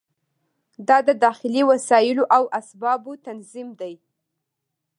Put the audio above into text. دا د داخلي وسایلو او اسبابو تنظیم دی.